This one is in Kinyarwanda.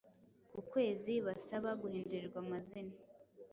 ku kwezi' basaba guhindurirwa amazina